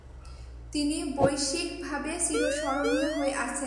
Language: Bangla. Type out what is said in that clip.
তিনি বৈশ্বিকভাবে চিরস্মরণীয় হয়ে আছেন।